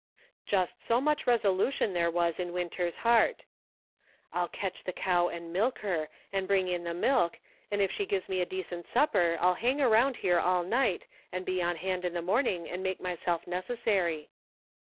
Just so much resolution there was in Winter's heart :" I'll catch the cow and milk her, and bring in the milk, and if she gives me a decent supper I'll hang around here all night and be on hand in the morning and make myself necessary."